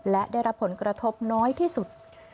และได้รับผลกระทบน้อยที่สุด